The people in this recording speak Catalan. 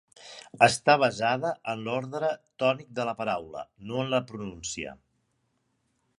Està basada en l'ordre tònic de la paraula, no en la pronuncia.